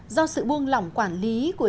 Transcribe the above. do sự buông lỏng quản lý của